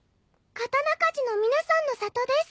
刀鍛冶の皆さんの里です。